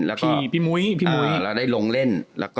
แล้วได้ลงเล่น